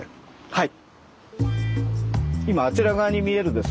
はい。